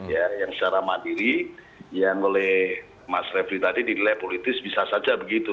ya yang secara mandiri yang oleh mas refli tadi dinilai politis bisa saja begitu